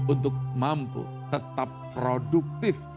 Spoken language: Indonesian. untuk mampu tetap produktif